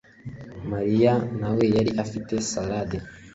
mariya na we yari afite salade